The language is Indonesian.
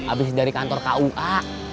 abis dari kantor kua